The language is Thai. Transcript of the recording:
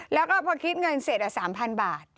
แล้วก็พอคิดเงินเสร็จ๓๐๐บาท